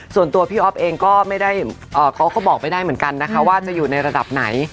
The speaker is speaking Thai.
ส่วนตัวพี่อ๊อฟเองก็ไม่ได้เขาก็บอกไม่ได้เหมือนกันนะคะว่าจะอยู่ในระดับไหน